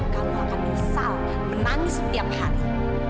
kamu akan menyesal menangis setiap hari